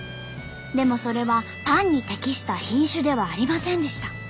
でもそれはパンに適した品種ではありませんでした。